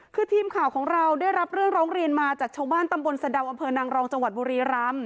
คือทีมข่าวของเราได้รับเรื่องร้องเรียนมาจากชาวบ้านตำบลสะดาวอำเภอนางรองจังหวัดบุรีรำ